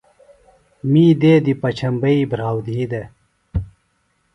می دیدیۡ پچھمبیئی بھراو دھی دےۡ